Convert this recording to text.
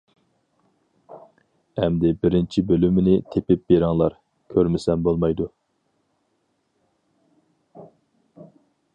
ئەمدى بىرىنچى بۆلۈمىنى تېپىپ بېرىڭلار، كۆرمىسەم بولمايدۇ.